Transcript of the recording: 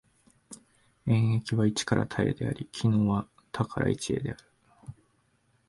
演繹は一から多へであり、帰納は多から一へである。